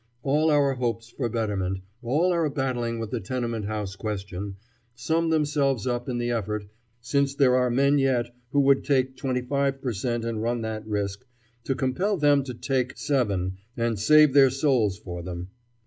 All our hopes for betterment, all our battling with the tenement house question, sum themselves up in the effort, since there are men yet who would take twenty five per cent and run that risk, to compel them to take seven and save their souls for them.